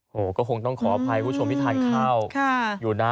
โอ้โหก็คงต้องขออภัยคุณผู้ชมที่ทานข้าวอยู่นะ